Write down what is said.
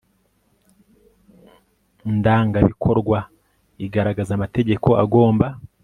ndangabikorwa igaragaza amategeko agomba